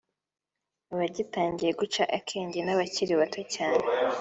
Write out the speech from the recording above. abagitangira guca akenge n’abakiri bato cyane